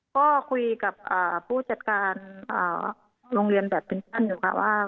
ก็คุยกับผู้จัดการโรงเรียนแบบเป็นท่านอยู่ค่ะว่า